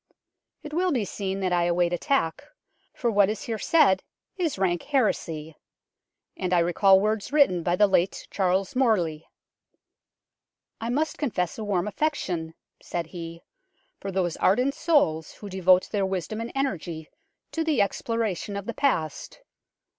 It will be seen that I await attack, for what is here said is rank heresy ; and I recall words written by the late Charles Morley. " I must confess a warm affection (said he) for those ardent souls who devote their wisdom and energy to the exploration of the past.